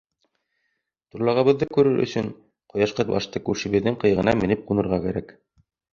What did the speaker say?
Торлағыбыҙҙы күрер өсөн, ҡояшҡа башта күршебеҙҙең ҡыйығына менеп ҡунырға кәрәк.